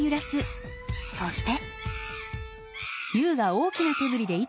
そして。